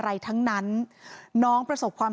ปี๖๕วันเช่นเดียวกัน